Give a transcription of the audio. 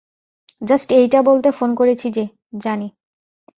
Just এইটা বলতে phone করেছি যে, জানি।